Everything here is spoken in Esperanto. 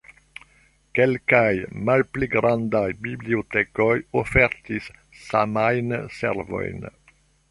Kelkaj malpli grandaj bibliotekoj ofertis samajn servojn.